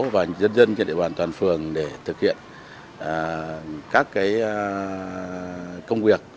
và dân dân địa bàn toàn phường để thực hiện các công việc